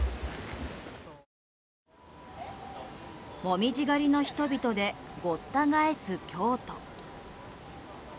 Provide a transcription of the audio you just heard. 紅葉狩りの人々でごった返す京都。